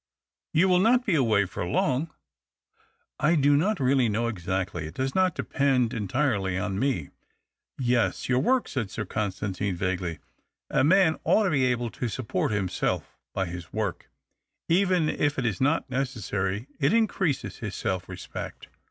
" You will not be away for long ?" "I do not really know exactly. It does not depend entirely on me." " Yes, your work," said Sir Constantine, vaguely. " A man ought to be able to support himself by his work — even if it is not necessary it increases his self respect.